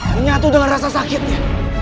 menyatu dengan rasa sakitnya